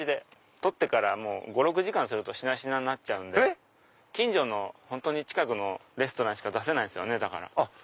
採ってから５６時間するとしなしなになっちゃうんで近所の近くのレストランにしか出せないんですよね。